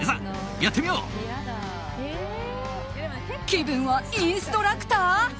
気分はインストラクター？